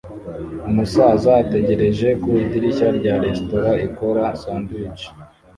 Umusaza ategereje ku idirishya rya resitora ikora sandwiches